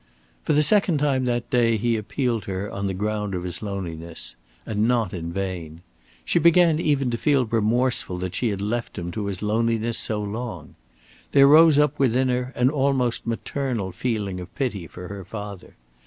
For the second time that day he appealed to her on the ground of his loneliness; and not in vain. She began even to feel remorseful that she had left him to his loneliness so long. There rose up within her an almost maternal feeling of pity for her father.